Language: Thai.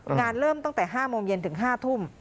เริ่มตั้งแต่๕โมงเย็นถึง๕ทุ่ม